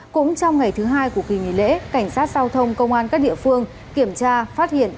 cũng trong ngày thứ hai của kỳ nghỉ lễ cảnh sát giao thông công an các địa phương kiểm tra phát hiện